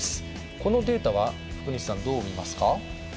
このデータは福西さん、どう見ますか？